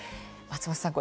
松本さん